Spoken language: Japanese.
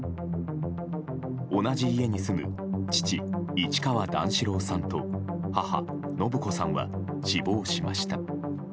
同じ家に住む父・市川段四郎さんと母・延子さんは死亡しました。